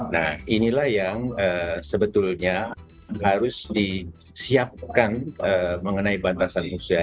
nah inilah yang sebetulnya harus disiapkan mengenai batasan usia